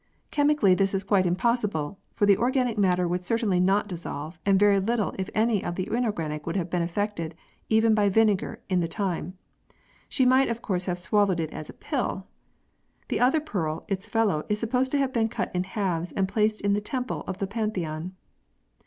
Chemically, this is quite impossible, for the organic matter would cer tainly not dissolve, and very little if any of the inorganic would have been affected even by vinegar in the time. She might of course have swallowed it as a pill ! The other pearl, its fellow, is supposed to have been cut in halves and placed in the temple of the Pantheon.